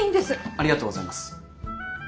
ありがとうございます。